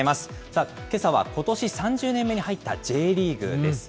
さあ、けさはことし３０年目に入ったＪリーグです。